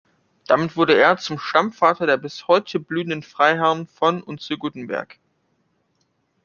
Damit wurde er zum Stammvater der bis heute blühenden Freiherrn von und zu Guttenberg.